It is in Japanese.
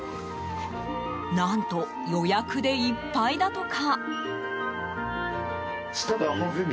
何と予約でいっぱいだとか。